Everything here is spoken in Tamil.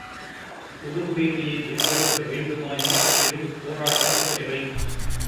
கொடுந் தீமையை வென்றெடுக்க வேண்டுமாயின் பெரும் போராட்டம் தேவை.